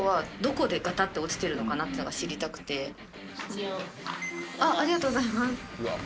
一応これが。あっありがとうございます。